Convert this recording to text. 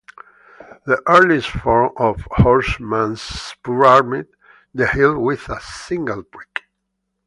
The earliest form of the horseman's spur armed the heel with a single prick.